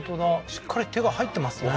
しっかり手が入ってますね